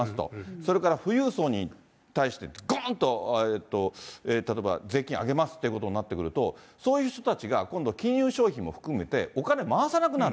それから富裕層に対して、ぐーんと例えば、税金上げますってことになってくると、そういう人たちが今度金融商品も含めて、お金を回さなくなる。